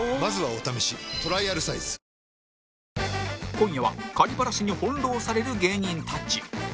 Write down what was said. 今夜はバラシに翻弄される芸人たち